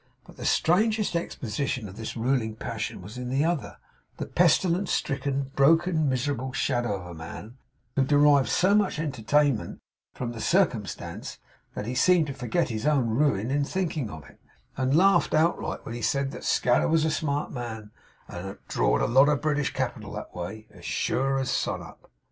But the strangest exposition of this ruling passion was in the other the pestilence stricken, broken, miserable shadow of a man who derived so much entertainment from the circumstance that he seemed to forget his own ruin in thinking of it, and laughed outright when he said 'that Scadder was a smart man, and had draw'd a lot of British capital that way, as sure as sun up.